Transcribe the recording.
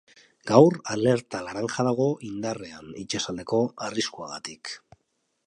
Gaur alerta laranja dago indarrean, itsasaldeko arriskuagatik.